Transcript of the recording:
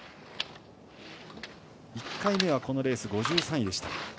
１回目はこのレース５３位でした。